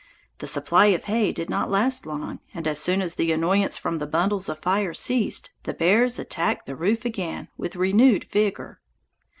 The supply of hay did not last long, and as soon as the annoyance from the bundles of fire ceased, the bears attacked the roof again with renewed vigor.